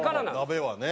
鍋はね。